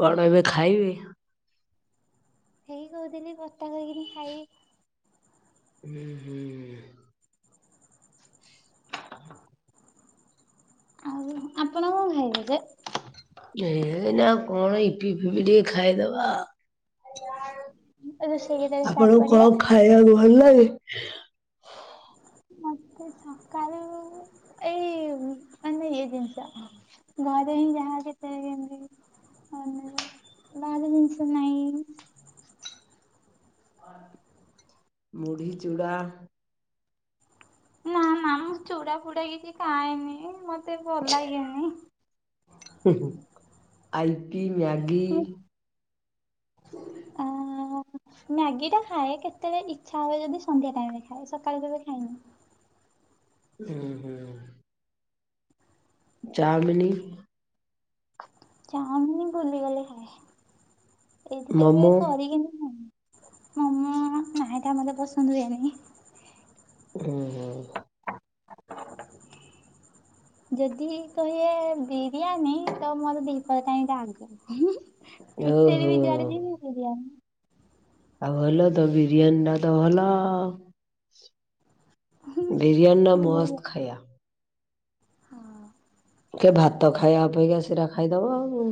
କଣ ଏବେ ଖାଇବେ? ହେଇ କହୁଥିଲି ଖଟା କରିକିନି ଖାଇବି। ହୁଁ ହୁଁ। [inaudible] ଆଉ ଆପଣ କଣ ଖାଇବେ ଯେ? ଏ ନା କଣ ଇପିି ଫିପି ଟିକେ ଖାଇଦବା। ଆରେ ସେ ଆପଣଙ୍କୁ କଣ ଖାଇବାକୁ ଭଲ ଲାଗେ? ମତେ ସକାଳୁ ଏଇ ମାନେ ଇଏ ଜିନିଷ ଘରେ ହିଁ ଯାହା କେତେବେଳେ ଯେମିତି ହଉ ବାହର ଜିନଷ ନାହିଁ। ମୁଢ଼ି, ଚୂଡ଼ା। ନା ନା ମୁଁ ଚୁଡ଼ା ଫୁଡା କିଛି ଖାଏନି ମତେ ଭଲ ଲାଗେନି। ହୁଁ ଆଉ ଇପି, ମ୍ୟାଗି? ଉଁ ହୁଁ। ମ୍ୟାଗି ଟା ଖାଏ କେତେବେଳେ ଇଚ୍ଛା ହୁଏ ଯଦି ସନ୍ଧ୍ୟା ଟାଇମ ରେ ଖାଏ ସକାଳୁ କେବେ ଖାଏନି। ଉଁ ହୁଁ। ଚାମିନି। ଚାଉମିନ ବୁଲିଗଲେ ଖାଏ ଏଠି କେବେ ମୋମୋ କରିକିନି ଖାଇନି। ମୋମୋ ନା ଟା ତା ମତେ ପସନ୍ଦ ହୁଏନି। ଉଁ ହୁଁ। ଯଦି କହିବେ ବିରିୟାନୀ ତ ମୋର ଦିପଦ ଟ ଆଗ ଏତେ ଓହୋ ବି ଯଆଡେ ଯିବି ବିରିଆନି। ଆଉ ଭଲ ତ ବିରିୟାନୀ ଟା ତ ଭଲ ଆଉ। ବିରିୟାନ ନ ମସ୍ତ ଖାଇଆ। ହଁ। କି ଭାତ ଖାଇବା ଅପେକ୍ଷା ସେଟା ଖାଇଦବ ଆଉ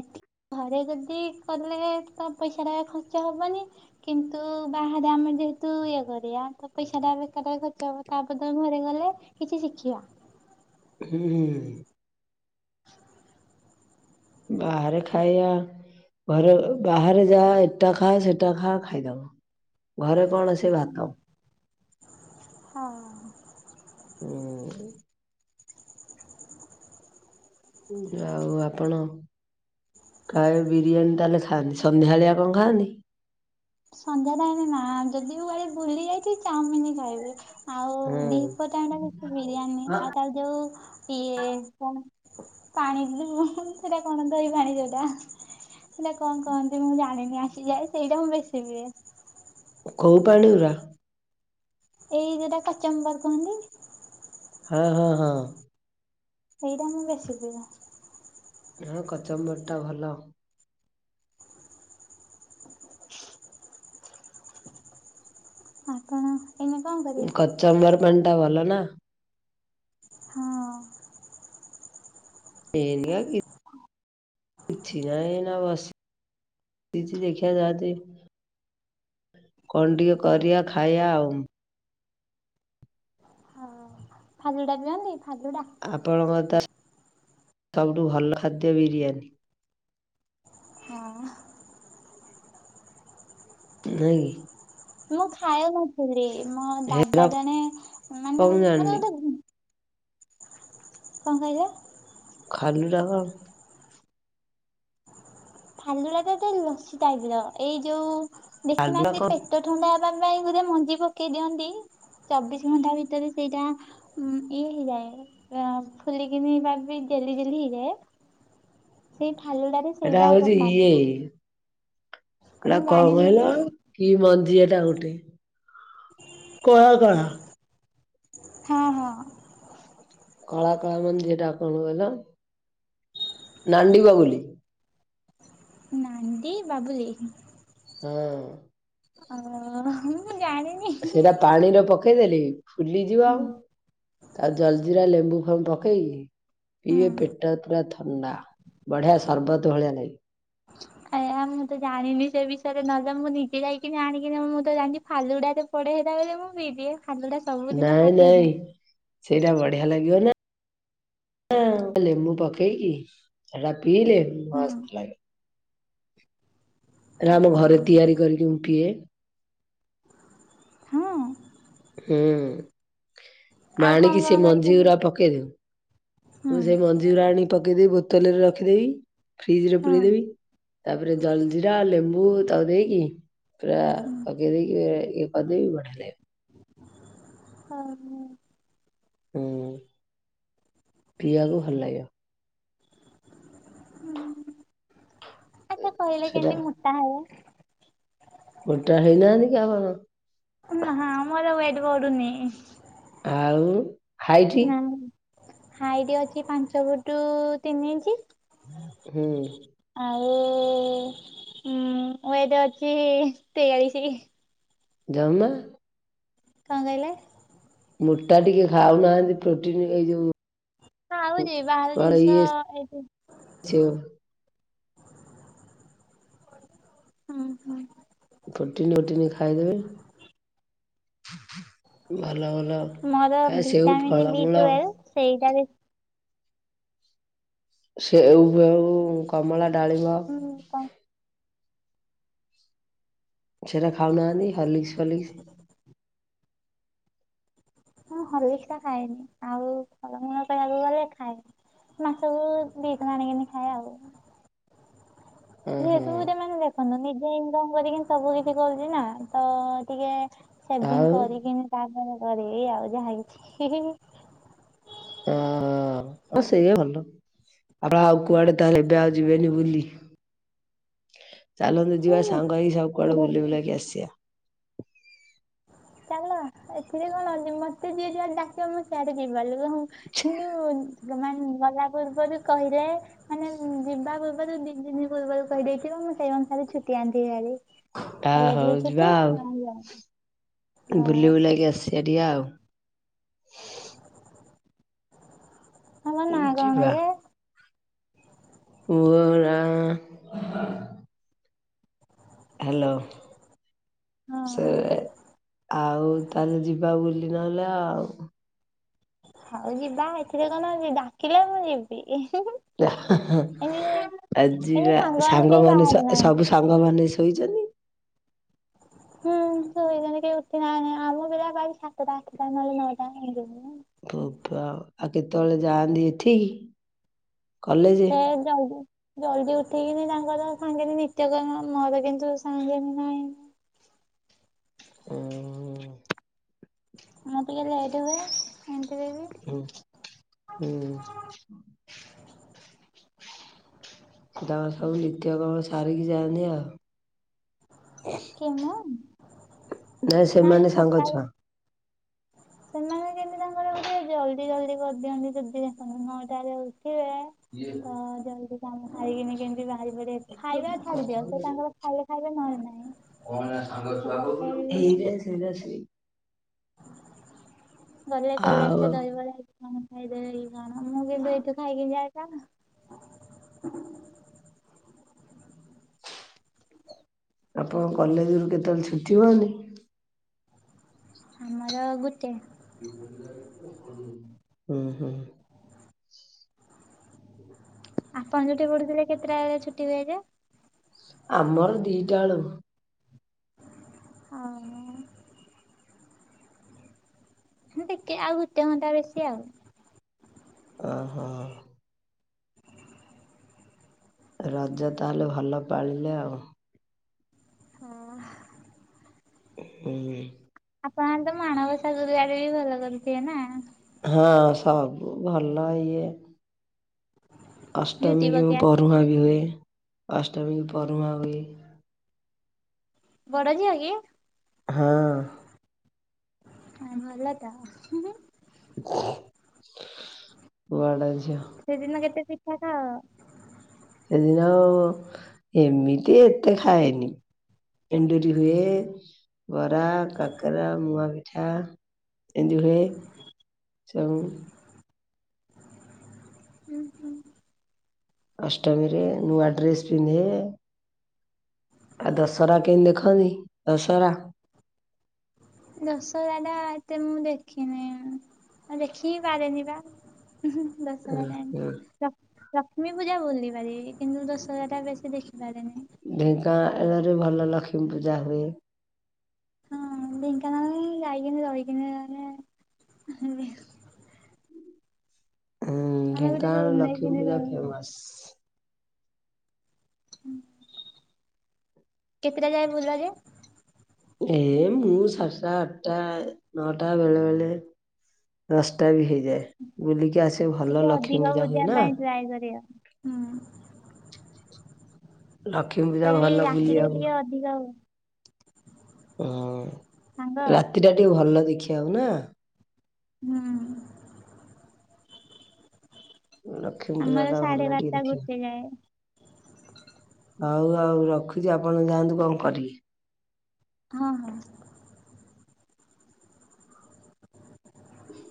ଏଠି ଘରେ ଯଦି କଲେ ତ ପଇସା ଟା ଖର୍ଚ୍ଚ ହେବନି। କିନ୍ତୁ ବାହାରେ ଆମେ ଯେହେତୁ ଇଏ କରିବା ତ ପଇସାଟା ବେକାର ଟାରେ ଖର୍ଚ୍ଚ ହେବ ତା ବଦଳ ଘରକୁ ଗଲେ କିଛି ଶିଖିବା। ହୁଁ ହୁଁ। [inaudible] ବାହାରେ ଖାଇବା। ଘରେ ବାହାରେ ଯା ଏଟା ଖାଅ ସେଟା ଖା ଖାଇଦବ। ଘରେ କଣ ସେ ଭାତ। ହଁ। ହୁଁ। ଆଉ ଆପଣ? କାହି ବିରିୟାନୀ ତାହେଲେ ଖାଆନ୍ତି, ସନ୍ଧ୍ୟାଳିଆ କଣ ଖାଆନ୍ତି? ସନ୍ଧ୍ୟା ଟାଇ ନା ଯଦି କୁଆଡେ ବୁଲି ଯାଇଛି ଚାଉମିନ ହିଁ ଖାଇବି। ଆଉ ହୁଁ ଦିପପଟାଣ ଟା କିଛି ବିରିୟାନୀ ଆଉ ତାର ଯୋଉ ଇଏ କଣ? ପାଣି ଯ ସେଟା କଣ ଧଇ ପାଣି ଯୋଉଟା? ସେଇଟା କଣ କହନ୍ତି ମୁଁ ଜାଣିନି ଆସିଯାଏ ସେଇଟା ମୁଁ ବେଶି ପିଏ। କୋଉ ପାଣି ଉରା? ଏଇ ଯୋଉଟା କଚମ୍ବାର କୁହନ୍ତି। ହଁ ହଁ ହଁ। ଏଇଟା ମୁଁ ବେଶୀ ପିଏ। ହଁ କଚମ୍ବର ଟା ଭଲ। ଆପଣ ଏମେ କଣ କରିବ? ଚବର ପଣ୍ଟା ଭଲ ନା? ହଁ। ଏନିଆ କି କିଛି ନାଇଁ ଏଇନା, ବସି ଚି ଦେଖିଆ ଜା ଚି କଣ୍ ଟିକେ କରିଆ ଖାଇଆ ଆଉ? ଫାଲୁ ଡାକୁଚନ୍ତି। ଫାଲୁଡ଼ା ଆପଣଙ୍କର ତା ତବୁଠୁ ଭଲ ଖାଦ୍ୟ ବିରିୟାନୀ। ହଁ, ଅ। ନାଇଁ କି? ମୁଁ ଖାଏନା ପୁରୀ, ମୋ ହେରା ଦାଦା ଜଣେ କଣ ମାନେ ମୁଁ ମାନେ ଜାଣିନି ଗୋଟେ କଣ କହିଲେ? ଖାଲିଟା କଣ? ଫାଲୁୁଳାଟା ତ ଲସି ଟାଇପ୍ ର ଏଇ ଯୋଉ ଖାଲୁଟା ଦେଖିନାହାଁନ୍ତି, କଣ? ପେଟ ଥଣ୍ଡା ହେବା ପାଇଁ ଗୁରେ ମଞ୍ଜି ପକେଇ ଦିଅନ୍ତି! ଚବିଶ ଘଣ୍ଟା ଭିତରେ ସେଇଟା ଇଏ ହେଇଯାଏ। ଫୁଲିିକିନିି ବାବି ଯେଲି ଯେଲି ହେଇଯ। ଏ! ସେଇ ଫାଲୁଡ଼ା ରେ ଏଟା ସେଇଟା ହଉଛି ପକ୍ ଇଏ, ଏଟା ମୁଁ କଣ ଜାଣିନି କହିଲ? କି ମଞ୍ଜି ଏଟା ଗୋଟେ, କଳା କଳା! ହଁ ହଁ! କଳା କଳା ମଞ୍ଜି ଯେଟା, କଣକହିଲ? ନାଣ୍ଡି ବଗୁଲି! ନାଣ୍ଡି ବାବୁଲି! ହଁ! ଅ-ହ ମୁଁ ଜାଣିନି। ହୁଁ ସେଟା ପାଣିରେ ପକେଦେଲେ ଫୁଲିଯିବ। ତା ଜଲଜିିରା ଲେମ୍ବୁ ଫେମ୍ବୁ ପ ପକେଇକି ହୁଁ ପିଇବେ ପେଟ ପୁରା ଥଣ୍ଡା। ବଢିଆ ସରବତ ଭଳିଆ ଲାଗି ଆୟାଁ ମୁଁ ତ ଜାଣିନି ସେ ବିଷୟରେ, ନହେଲେ ମୁଁ ନିଜେ ଯାଇକି ଆଣିକିନି ମୁଁ ତ ଜାଣଛି, ଫାଲୁଡାରେ- ପଡେ ହେରା ବେଳେ ମୁଁ ପି ଦିଏ। ଫାଲୁଡା ସ ନାଇଁ, ନାଇଁ, ସେଇଟା ବଢିଆ ଲାଗିବ ନା, ଲେମ୍ବୁ ପକ୍ ପକେଇକି ହେଟା ପିଇଲେ ହଁ ମସ୍ତ ଲାଗେ! ଏରା ଆମ ଘରେ ତିଆରି କରିକି ମୁଁ ପିଏ! ହଁ! ହୁଁ! ମା ଆଉ କଣ ଆଣିକି କଣ ସେ ମଞ୍ଜି କରିଛନ୍ତି ଗୁରା ପକେଇଦଉ। ହୁଁ। ମୁଁ ସେମଞ୍ଜ ଜିରା ଆଣି ପକେଇଦେବି ବୋତଲରେ ରଖିଦେବି। ଫ୍ରିଜ୍ ରେ ପୁରେଇ ହଁ ଦେବି। ତା'ପରେ ଜଲଜିିରା, ଲେମ୍ବୁ, ତାକୁ ଦେଇକି ପୁରା- ପକେଇଦେଇକି ଇଏକରିଦେବି, ବଢିଆ ଲାଗିବ! ହଁ, ମୁଁ। ହୁଁ, ପିଇବାକୁ ଭଲ ଲାଗିବ! ହୁଁ, ଆଛା କହିଲ ସେଟା କେଁତି ମ ତାଉ ଗୋଟା ହେଇନାହାଁନ୍ତି କି ଆମର? ନାଁ ଆମରୱେଟ୍ ବଢୁନୀ- ଆଉ ହାଇଟ୍ ନାଁ ହାଇଟ୍ ଅଛି, ପାଞ୍ଚ ଫୁଟୁ ତିନି ଇଞ୍ଜି! ହୁଁ ଆଉ-ଉ-ଉ, ମୁଁ ୱେଟ୍ ଅଛି ତେୟାଳିଶି! ଜମା କଣ କହିଲେ? ମୋଟା ଟିକେ ଖାଉନାହାଁନ୍ତି, ପ୍ରୋଟିନ ଏଇ ଯୋଉ- ହଁ, ଖାଉଛି, ବାହାର କଣ ଜିନିଷ ଇଏ ଏଠି ହୁଁ, ସେ ହୁଁ! ପ୍ରେ। ଟିନ ଓଟିନ ଖାଇଦେବେ। ଭଲ ଭଲ ମୋର ଆ ସେଉ ଭିଟାମିନ୍ ବି ଫଳମୁଳ ଟୁଏଲ୍ଭ ସେଇଟା ବି- ସେଉଫେଉ, କମଳା, ଡାଳିିମ୍ୱ। ହୁଁ କ- ସେରା ଖାଉନାହାନ୍ତି ହଲିକ୍ସ ଫଲିକ୍ସ! ମୁଁ ହଲିକ୍ସିଟା ଖାଏନି, ଆଉ ଫଳମୂଳ କହିବାକୁ ଗଲେ ଖାଏ। ମାର୍କେଟ ରୁ କିଣିକାନୀ ଆଣି ଖା ଆଉ ଓହୋ ଯେହେତୁ ମାନେ ଦେଖନ୍ତୁ ନିଜେ ଇନକମ କରିକି ସବୁ କିଛି କରୁଛି ନା, ତ ଟିକେ- ସେଭିଙ୍ଗ ଆଉ କରିକିନି ତାପରେ କରି କି ନିଆଉ ଯାହା କିଛି- ଅ ଆଉ ସେଇ ଭଲ ଆପ ଆଉ କୁଆଡେ ତାହେ ଏବେ ଆଉ ଯିବେନି ବୁଲି? ଚାଲନ୍ତୁ। ଯିବା ହୁଁ ସାଙ୍ଗ ହେଇକି, ସବୁ କୁଆଡ଼େ ବୁଲି ବୁଲାକି ଆସିବା। ଚାଲ, ଏଥିରେ କଣ ଅଛି। ମତେ ଯିଏ ଯୁଆଡେ ଡା ମୁଁ ସେଆଠ [unintelligible] ଗଲା ପୂର୍ବରୁ କହିଲେ ମାନେ ମୁଁ ଯିବା ପୂର୍ବରୁ ଦିଦିନି ପୂର୍ବରୁ କହିଦେଇଥିବ ମୁଁ ସେଇ ଅନୁସାରେ ଛୁଟି ଆଣିଥିବି ଭାରି ଆ କଲେଜରେ ଛୁଟି [unintelligible] ହଁ ବୁଲ ବୁଲାକି ଆସିବା ଟିକେ ଆଉ ତମ ନାଁ କଣ ଯିବା ଜେ? ମୋ ନା ହାଲୋ, ହଁ ସେ ଆଉ ତାହେଲେ ଯିବା ବୁଲି ଇନଲା ଆଉ ହଉ ଯିବା, ଏଥିରେ କଣ ଅଉଛି ଡାକିଲେ ମୁଁ ଯିବି। [unintelligible] [unintelligible] ଏମିତି ଆଜିିବା କେହି ସାଙ୍ଗମାନେ ବାହାରୁ ସବୁ ନାହାନ୍ତି। ସାଙ୍ଗମାନେ ଶୋଇଛନ୍ତି? [inaudible] ହୁଁ ଶୋଇଦଲେ କେହି ଉଠି ନାହି, ଆମ ପିଲା ବା ସାତଟା ଆଠଟା ନହେଲେ ନଅଟା ଏ [unintelligible] ଭପ ଆ ଆଉ କେତେବେଳେ ଯାଆନ୍ତି ଏଠିକି? କଲେଜ? ସେ ଯାଉଛି ଜଲଦି ଉଠେଇିକିନି ତାଙ୍କର ସାଙ୍ଗେନ ନିତ୍ୟକରଣ ମୋର କିନ୍ତୁ ସାଙ୍ଗେନ ନାହିଁ। ଓ ହୋ ମୁଁ ଟିକେ ଲେଟ୍ ହୁଏ, ଏମିତିରେ ବି ହୁଁ ହୁଁ ସେ ତାଙ୍କର ସବୁ ନିତ୍ୟ କର୍ମ ସାରିକି ଯାଆନ୍ତିି ଆଉ କିଏ ମୁଁ ନାଇଁ ନା ମୁଁ ସେମାନେ ସାଙ୍ଗ ସକାଳୁ ଛୁଆ। ସେମାନେ କେମିତି ତାଙ୍କର ଗୋଟେ ଜଲ୍ଦି ଜଲ୍ଦି କରିଦିଅନ୍ତି, ଯଦି ନଅଟାରେ ଉଠିବେ? ତ ଜଲଦି ତାଙ୍କେ ଖାଇକିନି କେମିତି ବାହାରି ପଡିବ? ଖାଇବା ଛାଡିଦିଅ, ସେ ତାଙ୍କର ଖାଇଲେ ଖାଇବେ ନହେଲେ ନାହିଁ। କଣ ନା ସାଙ୍ଗ ଛୁଆ କହୁଥିଲୁ, ଗଲେ ଏଇଟା ସେଇଟା ସେଇ ଗଲେ କଲେଜ ଟେ ଆଉ [unintelligible] ଖାଇଦ ହେଇ କଣ? ମୁଁ ଯଦି ଏଠି ଖାଇଦେବି ଆଉ କଣ? ଆପଣଙ୍କ କଲେଜରୁ କେତେବେଳେ ଛୁଟି ହୁଅନି? ଆମର ଗୋଟେ। ହୁଁ ହୁଁ [inaudible] ଆପଣ ଯୋଉଠି ପଢୁଥିଲେ, କେତେଟା ବଳେ ଛୁଟି ହୁଏ ଯେ? ଆମର ଦିଟା ବେଳୁ। ଆଉ ଟିକେ ଆଉ ଗୋଟେ ଘଣ୍ଟା ବେଶୀ ଆଉ ଓ ହୋ ରଜ ତାହେଲେ ଭଲ ପାଳିଲେ ଆଉ। ହଁ। ହୁଁ। ଆପଣ ଆଣେ ତ ମାଣବସା ଗୁରୁବାର ବି ଭଲ କରୁଥିବେ ନା। ହଁ ସବୁ ଭଲ ଇଏ ଝୁଟି ଅଷ୍ଟମୀ କି ମୁଁ ପକେଇ ଆସିକି ପରହୁଁଆଁ ବି ହୁଏ ଅଷ୍ଟମୀ କି ପରହୁଁଆଁ ହୁଏ। ବଡଝିଅ କି? ହଁ। ହ ଭଲ ତ ହୁଁ ହୁଁ। ବଡ଼ ସେଦିନ କେତେ ପିଠା ଖାଅ? ସେଦିନ ଏମିତି ଏତେ ଖାଏନି। ଏେଣ୍ଡୁରି ହୁଏ ବରା, କାକରା, ମୁଆ ପିଠା। ଏମିତି ହୁଏ ସବୁ। ହୁଁ ହୁଁ। ଅଷ୍ଟମୀରେ ନୂଆ ଡ୍ରେସ ପିନ୍ଧେ। ଆଉ ଦଶହରା କେମିତି ଦେଖନ୍ତି ଦଶହରା ଦଶହରା ଟା ଏତେ ମୁଁ ଦେଖିନେଇଁ। ଆଉ ଦେଖିକି ପାରେନି ପା ହୁଁ ହୁଁ ଦଶହରା ହୁଁ, ଟାଇମ୍। ହୁଁ। ଲକ୍ଷ୍ମୀ ପୂଜା ବୁଲିପାରିବି କିନ୍ତୁ ଦଶହରାଟା ବେଶୀ ଦେଖିପାରେନି। ଢେଙ୍କାଆଳରେ ଭଲ ଲକ୍ଷ୍ମୀ ପୂଜା ହୁଏ। ହଁ ଢେଙ୍କା ନାଳରେ ହିଁ ଯାଇକିନା ରହିକିନା ମାନେ ହୁଁ, ଆମେ ବୋଧେ ଢେଙ୍କାନାଳ ରୁମ୍ ଲକ୍ଷ୍ମୀ ନେଇକିନି ପୂଜା [unintelligible] ଫେମସ୍ କେତିଟା ଯାଏ ବୁଲ ଯେ? ଏ ମୁଁ ସାତଟା, ଆଟା, ନଅଟା ବେଳେ ବେଳେ। ଦଶଟା ବି ହେଇଯାଏ ବୁଲିକି ଆସିବୁ ଭଲ ଟିକେ ଲକ୍ଷ୍ମୀ ଅଧିକ ପୂଜା ହୁଏ ବୁଲିବା ନା। ପାଇଁ ଟ୍ରାଏ କରିବା ହୁଁ। ଲକ୍ଷ୍ମୀ ପୂଜା କହିଲି ଭଲ ରାତିରେ ବୁଲିବାକୁ ଟିକେ ଅଧିକ ଆଉ ସାଙ୍ଗ ହଁ ରାତି ଟା ଟିକେ ଭଲ ଦେଖିବା କୁ ନା। ହୁଁ। ଲକ୍ଷ୍ମୀପଜା ଆମର ଟା ସାଢେ ଭଲ ଟିକେ ଦେଖିବାକୁ। [unintelligible] ହଉ ଆଉ ରଖୁଛି ଆପଣ ଯାଆନ୍ତୁ କଣ କରିବେ। ହଁ ହଁ। ହୁଁ